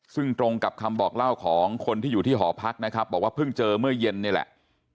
ซึ่งตรงกับคำบอกเล่าของคนที่อยู่ที่หอพักนะครับบอกว่าเพิ่งเจอเมื่อเย็นนี่แหละ